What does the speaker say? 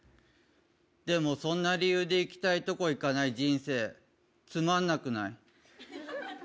でもそんな理由で行きたいとこ行かない人生、つまんなくない？